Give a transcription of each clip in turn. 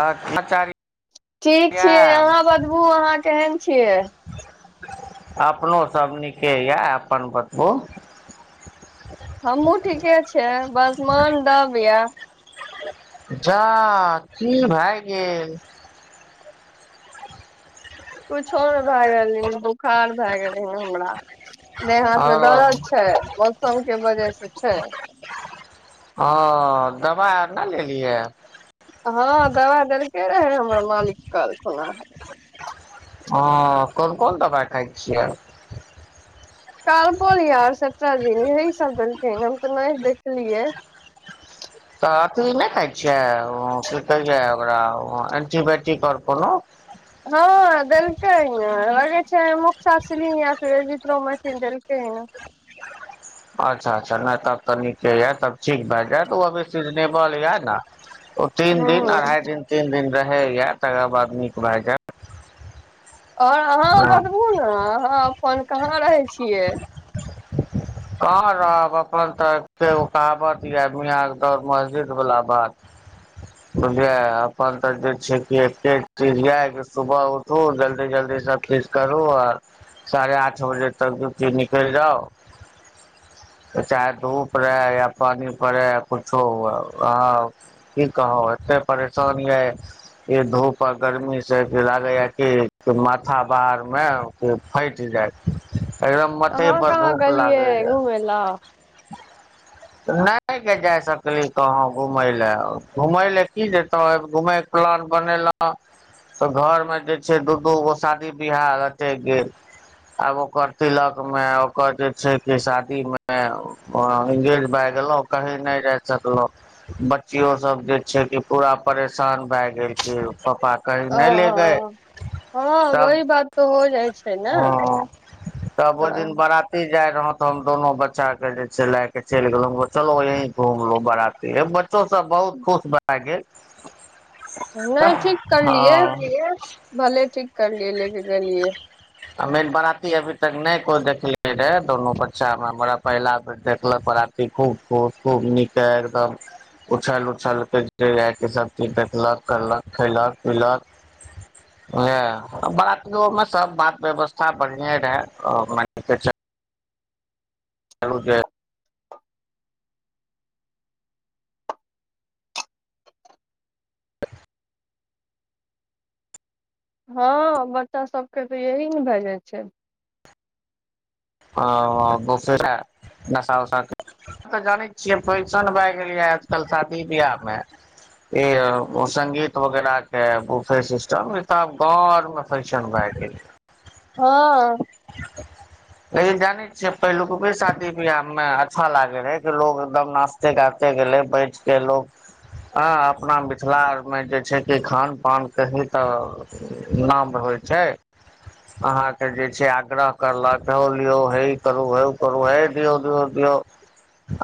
और [unintelligible] ठीक छियै, अहाँ बतबू अहाँ केहेन छियै। अपनो सब नीके या अपन बतबु। हमु ठीके छियै बस मन दब या। जा की भाए गेल? कुछो नै भाए गेले बुखार भाए गेले हमरा। देह ह हाथ मे दरद छै, मौसम के वजह से छै। औ दबाय आर नै लेलियै। हां दबाय देलके रहै हमरा मालिक काएल खुना। हां कोन-कोन दबाय खाय छियै? कालपोलया और सेटराजीन यही सब देलखिन हें हम ते नै देखलियै। तऽ अथी नै खाय छियै उ की कहै या ओकरा उ एन्टीबायटिक और कुनू हां देलकैया लागै छै मुकासीरीन या फिर [unintelligible] देलकैया। अच्छा-अच्छा नै तब तऽ नीके या तब ठीक भाए जाएत उ अभी सीजनेबल या नै ओ तीन दिन, हूँ अढ़ाई दिन, तीन दिन रहै यऽ तकर बाद नीक भए जायत। ओर अहाँ जायत बताबू ने, अहाँ अपन कहाँ रहै छियै? कहाँ रहब, अपन तऽ एक ओ कहावत यऽ मियाँके दौड़ मस्जिद बला बात। [unintelligible] बुझलियै, अपन तऽ जे छै कि एते चीज य सुबह उठू जल्दी-जल्दी सँ। सब चीज करू, आर साढ़े आठ बजे तक ड्यूटी निकैइल जाउ। चाहे धूप रहै, या पानी पड़ै, या कुछो हुए। की कहब एत्ते परेशानये। इ धूप आ गरमी सँ जे लागैए कि माथा बाहर में कि फाइट जायत। एकदम माथे कहाँ पर कहाँ धूप गेलियै लागैए। घुमय लए नहि गऽ जाय सकितौं घुमय लए, घुमय लए कऽ जेतौ घुमय कऽ। प्लान बनेलाओं। तऽ घर मे जँ छै दू-दू गो शादी बियाह लटैक गेल। आब ओकर तिलक में, ओकर। छै कऽ शादी में इंगेज भए गेलौं, कहीं नइ रही सकलौं। बच्चियों सब जँ छै कऽ पूरा परेशान भए गेल छै यो प्पाक। अ ह तब वही बात तऽ होय रहै छै नहि। हँ तब ओय दिन बारा। ती जाय रहौ तऽ हम दोनो बच्चा कऽ जँ छै लए कऽ चैल गेलौ, चलो यहीं घूमलो बराती ए ब। च्चो सब बहुत खुश भए गेल। नइ ठीक करलियै, हँ भले ठीक करलियै लऽ कऽ गेलियै। हमे एर बराती अभी तक नहि को देखलै। रै दुनू बच्चा में बड़ा पहिला देखलक बराती खूब, खुब, खूब नीके एकदम। उछल-उछल कऽ जँ जाइके सब चीज देखलक, करलक खयलक-पिलक। नहि बरातियों में सब बात-व्यवस्था बढ़िए रहए मैन कऽ च। चलू जँ। ह बच्चा सबके तऽ यही नहि भए जाय छै। आ दोसरा नशा-उशा। हम तऽ जानै छियै फैशन भए गेल यै, आजकल शादी- ब्याह में। ए औ संगीत वगेरा कऽ बूफे सिस्टम, ई तऽ आब गांव आओर में। फैशन भए गेल। हँ। [inaudible] लेकिन जानै छिये, पहिलुकबे शादी-बियाह में अच्छा लागै रहे, कऽ लोग एकदम नाच। तऽ गाबते गेले बैठ कऽ लोग। अ अपना मिथिला आर मे जँ छै कऽ खान-पान कहि तऽ। नाम होइ छै, अहाँके जँ। से आग्रह करलक, हौ लियो, हे ई करू, हो उ करु है दियो-दियो-दियो।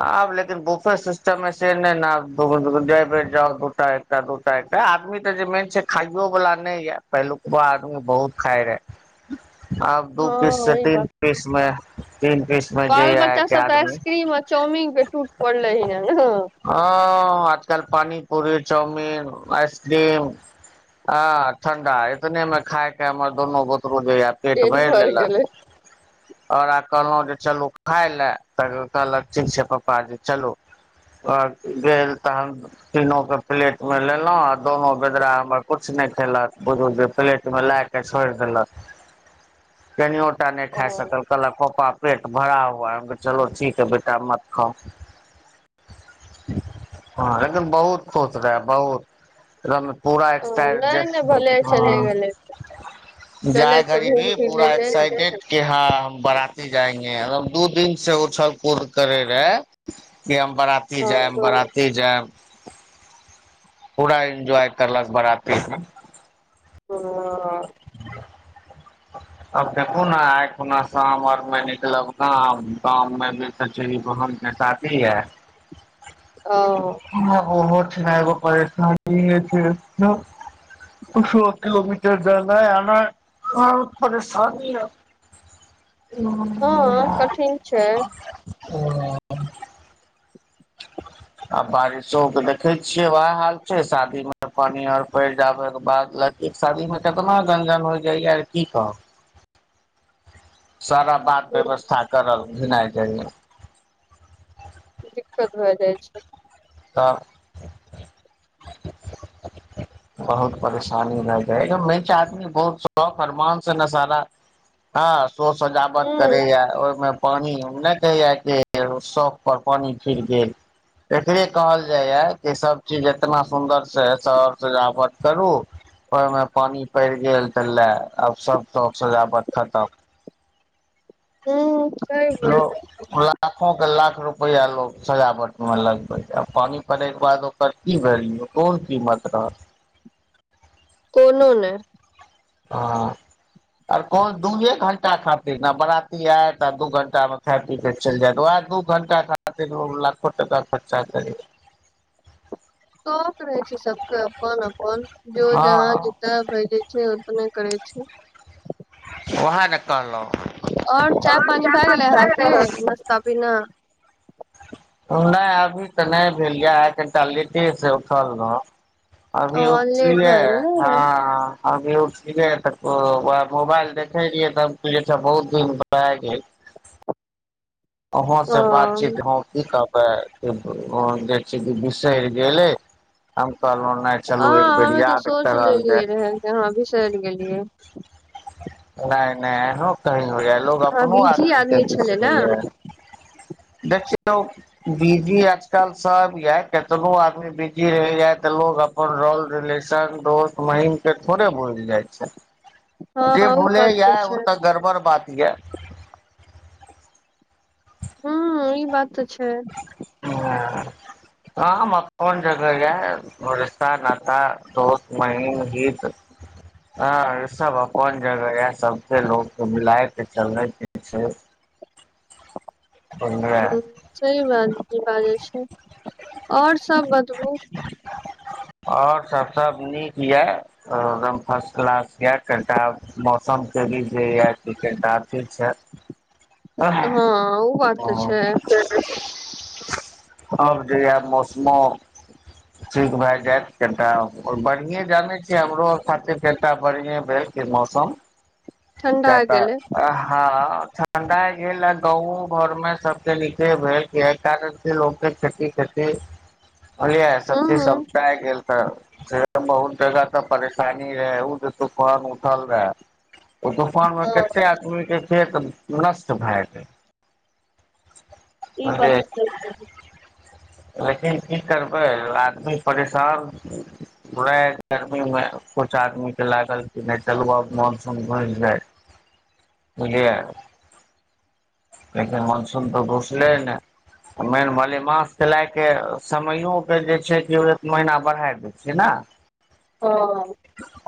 आब लेकिन बुफे सिस्टम मे सँ नइ नहि आब दुगो-दुगो जैबे जाउ दुटा। एकटा दूटा एकटा, आदमी तऽ जँ मेन छै खाइयो वला नहि यऽ, पहिलुकबा आदमी बहुत खाय रहे। आब दू पीस सऽ हँ ई तीन बात पीस में, तीन पीस में जँ यऽ आयके आदमी। चौमिंग पऽ टूट परलै हिये। हँ, आज-कल पानी-पूरी, चाउमिन, आइसक्रीम। अ ठंडा, इतने में खायके हमर दुनू बुतरू जेये पेट भैर भर लेलक। गेलै औकरा कहलहु जँ चलू खाय ले तऽ कहलक ठीक छै पप्पा जी चलू। आ गेल तहन तीनो कऽ पलेट मे लेलौ आ दोनो बेदरा हमर कुछ नै खेलक बुझु जे प्लेट मे लाए कऽ छोएड़ देलक कनियोटा नै खाय सकल कहलक पप्पा पेट भरा हुआ है, हम चलो ठीक है बेटा मत खाओ। हां एकदम बहुत खुश रहाए बहुत एकदम पूरा एक्साइट जे नहि नहि भले चले हुं। गेलै गेलै जाय तऽ घरी घूम भी फिर पूरा लेलै ने एक्साइटेड। कऽ हां हम बराती जाएंगे हम, दू दिन से उछल-कूद करै रहै। कि हम बराती हँ जाएब, बराती जाएब। पूरा इन्जॉय करलक बराती मे। ओ। [inaudible] अब देखु नै आय खुना शाम अर मे निकलब गाम, गाम मे भी चचेरी बहन कऽ शा दी या। औ। हां उहो ठना एगो परेशानिये छै [unintelligible] कुछो किलोमीटर जानाय-आनाय बहुत परेशानी या। हँ कठिन छै ओ ओ। आ बारिशो के देखै छियै वहाए हाल छै, शादी मे पानी आर पैड़ जाबे के बाद ला एक शादी मे केतना गनजन होय जायया की कहब। सारा बात हूँ। व्यवस्था करल घिनाय जायया। दिक्कत भाए जाय छै। त। बहुत परेशानी भाए जाय, हेयौ मैच आदमी बहुत शौक अरमान से ने सारा हां शो सजावट हूं करैया ओय मे पानी उ नै कहैया कि उ शौक पर पानी फीर गेल। फिरे कहल जायया कि सब चीज एतना सुन्दर से शौक सजावट करू। ओयमे पानी पैड़ गेल त लाए अब सब शौक सजावट खतम। हुं। लो लाखो के लाख रुपैया लोग सजावट मे लगबैया, पानी पड़ैके बाद ओ कर की वैल्यू कोन कीमत रहत। कोनो नै। हां। आर कोन दूए घंटा खातिर ना बराती आएत आ दू घंटा मे खाय पी के चैल जाएत, वाएह दू घण्टा खातिर लोक लाखो टका खर्चा करै छै। [inaudible] शौक रहै छै सबके अपन-अपन जो जहाँ हँ जीता भाए जाय छै ओ ओने करै छै। उहाए ने कहलौ। और चाय, पानी भाए गेलै अहाँके गेलै नाश्ता पीना। उ नै अभी ते नै भेलया आय कनटा लेटे से उठल रहौं। ओ अभी लेट उठलिये भए गेलै हां ने हां। अभी उठलिये ते उ वाएह मुबाएल देखै रिहै ते हम कहलिये अच्छा बहुत दिन भाए गेल अहौं से ओ बातचीत भ की कहबै जे मोहन देखी जे विसरि गेलय हम कहलौं हं, हमे त सोचि लेलियै रहे जे अहांँ बिसरि गेलियै नै नै एहनो कहीं होइये लोग अहाँ अपनो बिजी आदमी के छलै ने बिसरैये देखिऔ बिजी आजकल सब ऐ केतनो आदमी बिजी रहैये त लोग अप अपन रल रिलेशन दोस्त महीम के थोड़े भुलि जाइ छै। हँ जे ओ बात भूलैए तऽ ओ छै त गड़बड़ बात ये। हुं ई बात त छै। हं, हम अपन जगह ये रिश्ता नाता दोस्त महीम हीत हं ई सब अपन जगह या सबके लोकके मिलाइ के चलैके छै। ओहिमे हूं सही बात बाजै छी और सब बतबू और सब सब नीक या हं एकदम फर्स्ट क्लास या कनी टा आब मौसम के भी जे या ठीक ठाके छै। [inaudible] हँ उ बात त छै। [unintelligible] आब जे या मौसमो ठीक भ जायत, कनी टा बढ़िएं जानै छियै हमरो खातिर कनी टा बढ़िए भेल कि मौसम ठण्डा किया त गेलै ह ह ठण्डागेल आ गाँवों घरमे सबके नीके भेल किये कारण फेर लोक के खेती -खेती, हूँ सब चीज हूँ समटाय गेल त बहुत जगह त परेशानी रहै ओ जे तुफान उठल रहे। ओ तूफान मे हँ कते आदमी के खेत नष्ट भए गेल। इ बात बुझलियै त सही कहलौ। लेकिन की करबै आदमी परेशान छै। भोरे आइ गर्मी में कुछ आदमी के लागल की नै चलु मानसून घुइस जाय बुझलियै। लेकिन मानसून त घुसले नै, मेन मलेमास चलाय के समयो के जे छै कि एक महीना बढ़ाय दै छियै ने हां।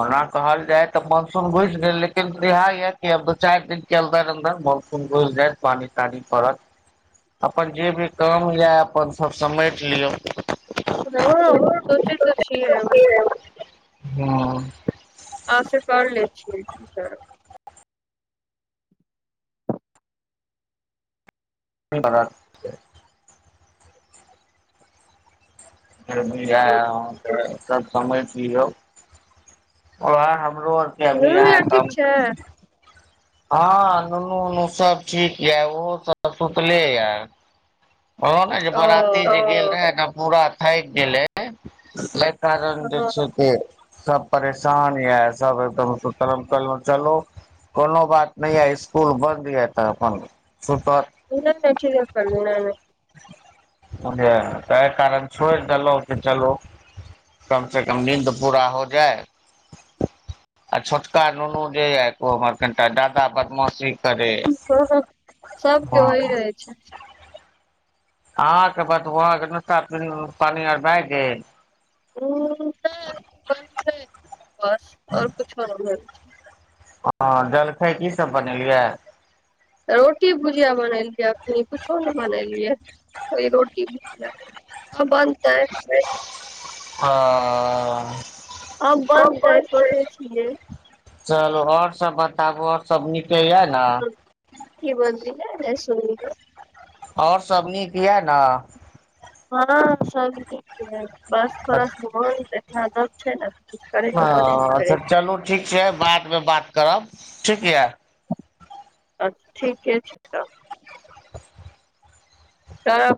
ओना कहल जाय त मानसून घुसि गेल लेकिन इएह या कि अब दू चैर दिन अन्दर- अन्दर मौसम घुइस जायत पानि- तानी पड़त। अपन जे भी काम ये अपन सब समेट लिय रौ सोचेै त छियै। हां। असगरे छियै की करब। [unintelligible] फिर भी यैह अहाँ के सब समझि लियौ। ओहे हमरो आर के अभी दुनू यैह यार ठीक काम छै ह नुनू -उनू सब ठीक या ओहो सब सुतले या ओ ने जे ओ बराती जे गेल रहे ने पूरा थैक गेलै कारण जे हँ छै कि सब परेशान या सब एकदम सुतल-उतल मे चलु कोनो बात नै आइ इसकुल बन्द या त अपन सुतत [unintelligible] बुझलियै तेह कारण छोड़ि देलौं की चलु कम से कम नींद पूरा हो जाय आ छोटका नुनू जे ये हमर कनिटा ज्यादा बदमाशी करे सबके ओय रहै छै। आहाँ के बात वहाँ के नस्ता प पानी और भए गेल? हूँ। [inaudible] बस और कुछो नै हं जलखै की सब बनेलियै? रोटी भुजिया बनेलियै अखनी कुछो नैय बनेलियै, रोटी भुजिया आब बनतै। हं आब बनतै। चलू ओैर सब बताबू और सब निके या न? की बजलियै नैय सुनलियै? और सब नीक या न? ह सब नीक या बस थोड़ सा मन ए दब छै न हं अच्छा चलू ठीक छै, बाद मे बात करब ठीक या। अच्छा ठीके छै त [unintelligible]